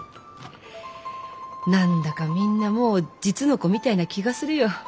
何だかみんなもう実の子みたいな気がするよ。